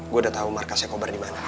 gua udah tahu markasnya kobar dimana